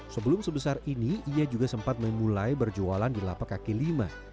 sebelum sebesar ini ia juga sempat memulai berjualan di lapak kaki lima